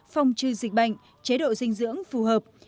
phòng trừ dịch bệnh chế độ dinh dưỡng phù hợp